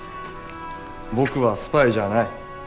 僕はスパイじゃない。